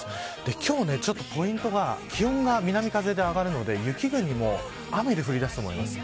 今日は、ちょっとポイントは気温が南風で上がるので雪国も雨で降りだすと思います。